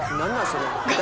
それ。